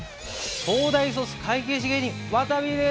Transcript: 東大卒会計士芸人わたびです。